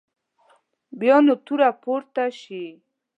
بیا نه توره پورته شي.